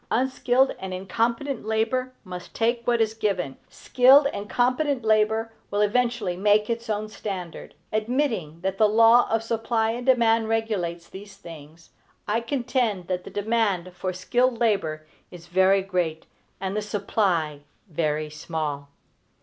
Unskilled and incompetent labor must take what is given; skilled and competent labor will eventually make its own standard. Admitting that the law of supply and demand regulates these things, I contend that the demand for skilled labor is very great, and the supply very small.